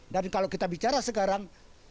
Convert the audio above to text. dan kalau kita bicara sekarang